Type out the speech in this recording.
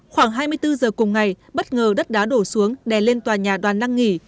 khoảng hai mươi bốn giờ cùng ngày bất ngờ đất đá đổ xuống đè lên tòa nhà đoàn năng nghỉ